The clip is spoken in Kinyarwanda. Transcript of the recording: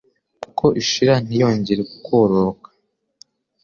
kuko ishira ntiyongere kororoka.